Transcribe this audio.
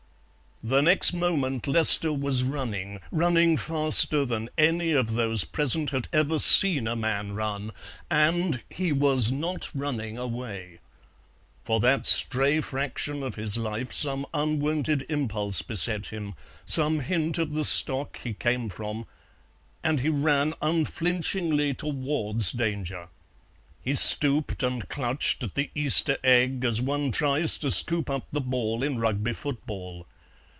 The next moment Lester was running, running faster than any of those present had ever seen a man run, and he was not running away. For that stray fraction of his life some unwonted impulse beset him, some hint of the stock he came from, and he ran unflinchingly towards danger. He stooped and clutched at the Easter egg as one tries to scoop up the ball in Rugby football.